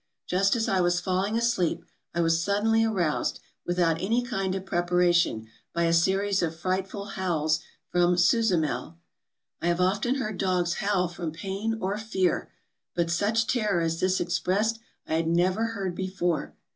Just as I was falling asleep, I was suddenly aroused — without any kind of preparation — by a series of frightful howls from 'Susamel.' I have often heard dogs howl from pain or fear, but such terror as this expressed I had never heard before.